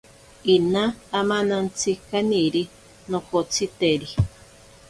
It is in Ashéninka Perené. Ina amanantsi kaniri nokotsiteri.